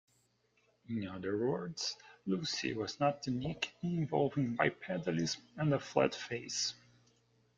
In other words, Lucy was not unique in evolving bipedalism and a flat face.